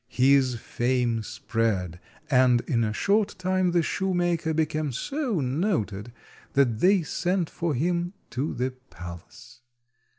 His fame spread, and in a short time the shoemaker became so noted that they sent for him to the palace.